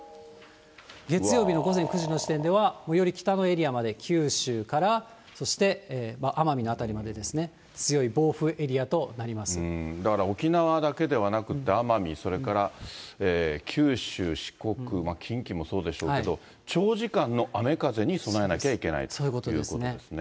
月曜日の午前９時の時点では、もうより北のエリアまで九州からそして奄美の辺りまでですね、強だから沖縄だけではなくって、奄美、それから九州、四国、近畿もそうでしょうけど、長時間の雨風に備えなきゃいけないということですね。